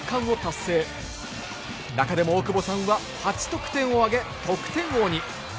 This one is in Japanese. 中でも大久保さんは８得点を挙げ得点王に。